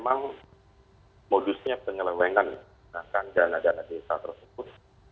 yang sering memang modusnya penyelenggan dana dana desa tersebut